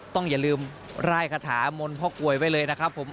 ต้องอย่าลืมร่ายคาถามนพกวยไปเลยนะครับผม